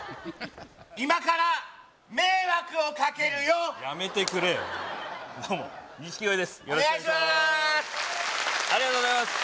今から迷惑をかけるよやめてくれよどうも錦鯉です